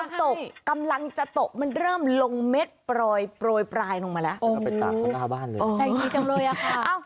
ฝนกำลังจะตกมันเริ่มลงเม็ดปลอยปลายลงมาแล้ว